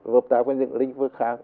hợp tác với những lĩnh vực khác